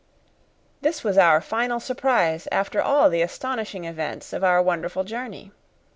This was our final surprise after all the astonishing events of our wonderful journey.